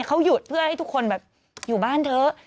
เขาหยุดเพื่อให้ทุกคนแบบอยู่บ้านเถอะ